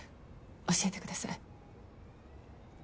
教えてください。